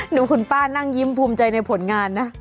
ดูคุณป้านั่งยิ้มภูมิใจในผลงานนะ